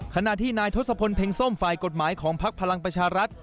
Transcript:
ขณะที่นายทศพลเพ็งส้มฝ่ายกฎหมายของพลักษณ์พลังปัชฌาลัทธิ์